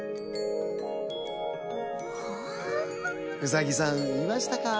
うさぎさんいましたか？